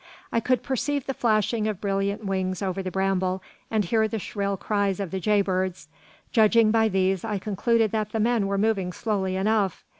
I could perceive the flashing of brilliant wings over the bramble, and hear the shrill voices of the jay birds. Judging by these, I concluded that the men were moving slowly enough.